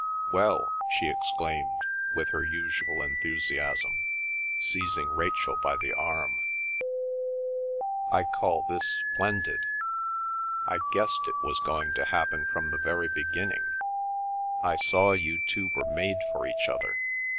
"Well," she exclaimed, with her usual enthusiasm, seizing Rachel by the arm, "I call this splendid! I guessed it was going to happen from the very beginning! I saw you two were made for each other.